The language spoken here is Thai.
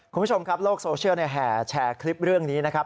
คุณผู้ชมครับโลกโซเชียลแห่แชร์คลิปเรื่องนี้นะครับ